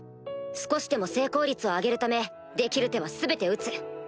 少しでも成功率を上げるためできる手は全て打つ。